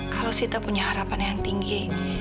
kalau kita punya harapan yang tinggi